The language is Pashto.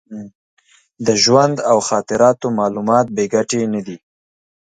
د ژوند او خاطراتو معلومات بې ګټې نه دي.